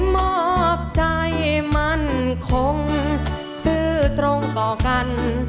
มอบใจมั่นคงซื้อตรงต่อกัน